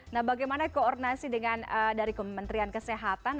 nah bagaimana koordinasi dengan dari kementerian kesehatan